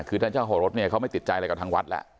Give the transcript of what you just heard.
คือท่านเจ้าของรถเนี่ยเขาไม่ติดใจอะไรกับทางวัดแหละ